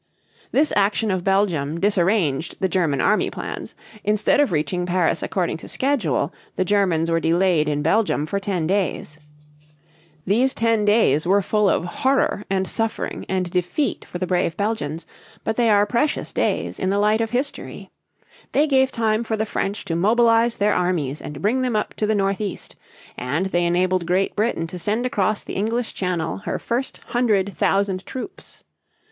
This action of Belgium disarranged the German army plans; instead of reaching Paris according to schedule, the Germans were delayed in Belgium for ten days. These ten days were full of horror and suffering and defeat for the brave Belgians; but they are precious days in the light of history. They gave time for the French to mobilize their armies and bring them up to the northeast; and they enabled Great Britain to send across the English Channel her first hundred thousand troops.